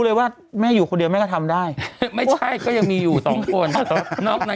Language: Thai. ความสวยความงามความรักอะไรอย่างนี้ครับ